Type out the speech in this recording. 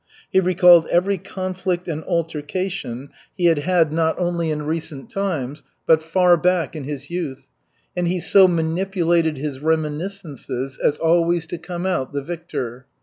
He recalled every conflict and altercation he had had not only in recent times, but far back in his youth, and he so manipulated his reminiscences as always to come out the victor.